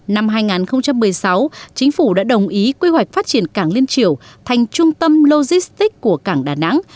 năm hai nghìn một mươi sáu chính phủ đã đồng ý quy hoạch phát triển cảng liên triều thành trung tâm logistics của cảng đà nẵng